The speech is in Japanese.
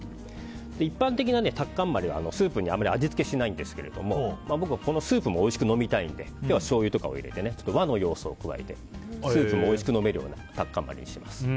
一般的なタッカンマリはスープにあまり味付けしないんですけど僕はこのスープもおいしく飲みたいので今日はしょうゆとかを入れて和の要素も加えてスープもおいしく飲めるようなタッカンマリにします。